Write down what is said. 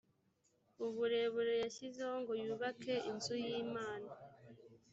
uburebure yashyizeho ngo yubake inzu y imana